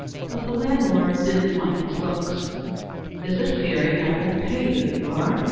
But the landlord didn't like his looks. "Is it fearing I won't pay you, you are?"